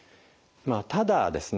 ただですね